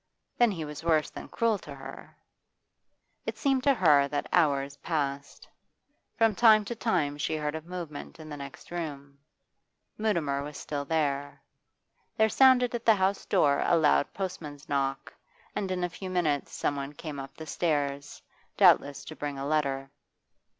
Then he was worse than cruel to her. It seemed to her that hours passed. From time to time she heard a movement in the next room; Mutimer was still there. There sounded at the house door a loud postman's knock, and in a few minutes someone came up the stairs, doubtless to bring a letter.